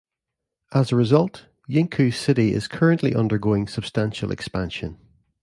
As a result, Yingkou city is currently undergoing substantial expansion.